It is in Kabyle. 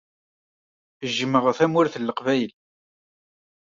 Jjmeɣ Tamurt n Leqbayel.